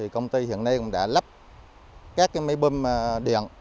công ty hiện nay cũng đã lắp các máy bơm điện